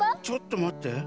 ちょっとまって。